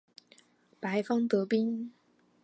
白方得兵。